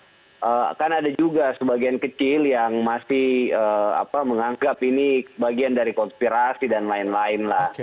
dan kemudian ada juga yang memang merasa bahwa kan ada juga sebagian kecil yang masih menganggap ini bagian dari konspirasi dan lain lain